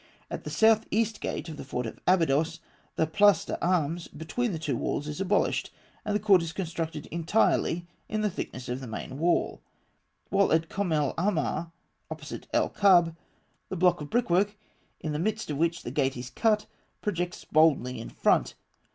At the south east gate of the fort of Abydos (fig. 30) the place d'armes between the two walls is abolished, and the court is constructed entirely in the thickness of the main wall; while at Kom el Ahmar, opposite El Kab (fig. 31), the block of brickwork in the midst of which the gate is cut projects boldly in front.